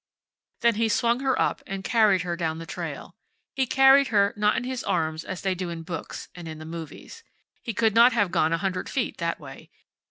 Then he swung her up, and carried her down the trail. He carried her, not in his arms, as they do it in books and in the movies. He could not have gone a hundred feet that way.